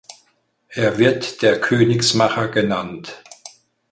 Er wird der „Königsmacher“ genannt.